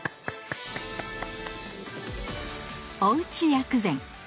おうち薬膳！